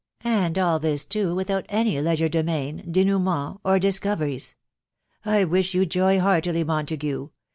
..and all this, too, without any legerdemain, denouement, or discoveries* ... I wish you Joy heartily, Montague